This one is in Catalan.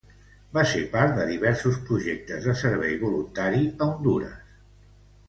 Va ser part de diversos projectes de servici voluntari a Hondures.